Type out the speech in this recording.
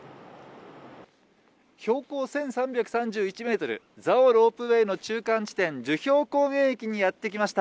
標高１３３１メートル、蔵王ロープウェイの中間地点、樹氷高原駅にやって来ました。